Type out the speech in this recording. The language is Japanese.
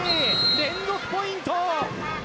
連続ポイント。